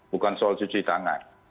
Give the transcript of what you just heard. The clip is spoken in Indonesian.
bukan soal cuci tangan